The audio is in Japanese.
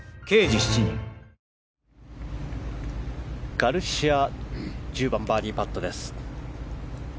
ガルシア１０番のバーディーパット。